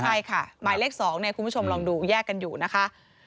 ใช่ค่ะหมายเลข๒คุณผู้ชมลองดูแยกกันอยู่นะคะ